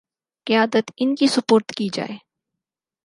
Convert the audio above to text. قیادت ان کے سپرد کی جائے